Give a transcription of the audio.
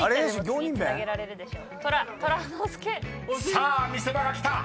［さあ見せ場が来た！